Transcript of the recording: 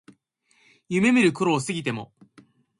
夢見る頃を過ぎても